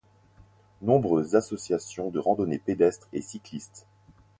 Nombreuses associations de randonnée pédestre et cycliste.